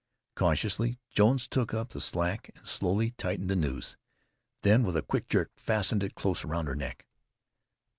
Cautiously Jones took up the slack and slowly tightened the nose, then with a quick jerk, fastened it close round her neck.